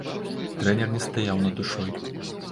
Трэнер не стаяў над душой.